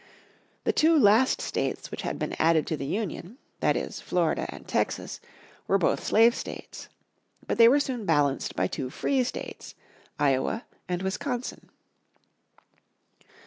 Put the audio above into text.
The two last states which had been added to the Union, that it, Florida and Texas, were both slave states. But they were soon balanced by two free states, Iowa and Wisconsin.